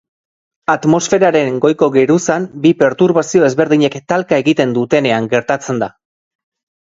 Atmosferaren goiko geruzan bi perturbazio ezberdinek talka egiten dutenean gertatzen da.